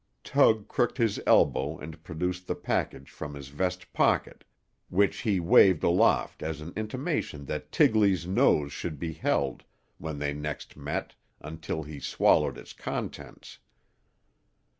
Tug crooked his elbow and produced the package from his vest pocket, which he waved aloft as an intimation that Tigley's nose should be held, when next they met, until he swallowed its contents.